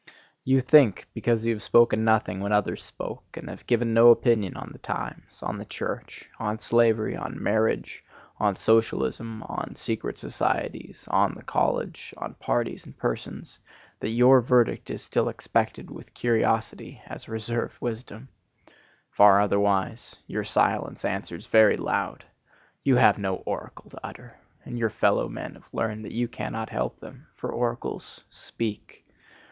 You think because you have spoken nothing when others spoke, and have given no opinion on the times, on the church, on slavery, on marriage, on socialism, on secret societies, on the college, on parties and persons, that your verdict is still expected with curiosity as a reserved wisdom. Far otherwise; your silence answers very loud. You have no oracle to utter, and your fellow men have learned that you cannot help them; for oracles speak.